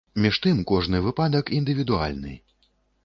Між тым кожны выпадак індывідуальны.